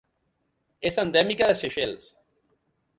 És endèmica de Seychelles.